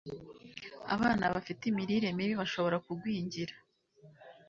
abana bafite imirire mibi bashobora kugwingira